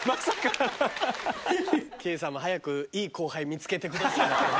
Ｋさんも早くいい後輩見つけてください。